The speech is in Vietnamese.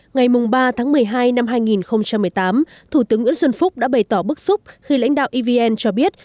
ngày ba tháng một mươi hai năm hai nghìn một mươi tám thủ tướng nguyễn xuân phúc đã bày tỏ bức xúc khi lãnh đạo evn cho biết